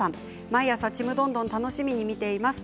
毎朝「ちむどんどん」楽しみに見ています。